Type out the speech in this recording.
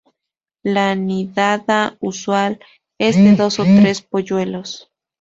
La nidada usual es de dos o tres polluelos.